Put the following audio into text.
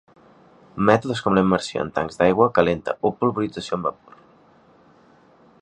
Mètodes com la immersió en tancs d'aigua calenta o polvorització amb vapor.